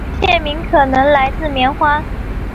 县名可能来自棉花。